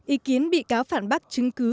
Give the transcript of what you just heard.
ý kiến bị cáo phản bắt chứng cứ